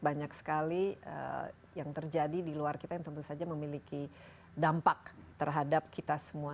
banyak sekali yang terjadi di luar kita yang tentu saja memiliki dampak terhadap kita semua